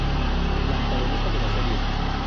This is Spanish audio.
La antagonista de la serie.